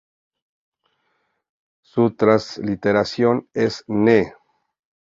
Su transliteración es ne.